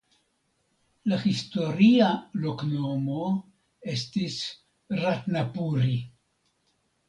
La historia loknomo estis "Ratnapuri".